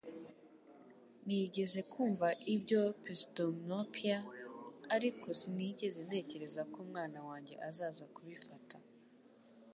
Nigeze kumva ibya pseudomyopia, ariko sinigeze ntekereza ko umwana wanjye azaza kubifata